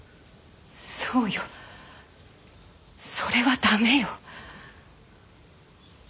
そうよ。それは駄目よ。